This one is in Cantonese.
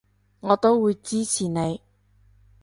我都會支持你